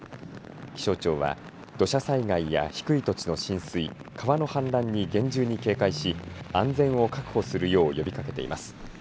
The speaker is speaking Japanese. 気象庁は土砂災害や低い土地の浸水川の氾濫に厳重に警戒し安全を確保するよう呼びかけています。